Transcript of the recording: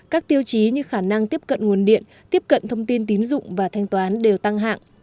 các tiêu chí như khả năng tiếp cận nguồn điện tiếp cận thông tin tín dụng và thanh toán đều tăng hạng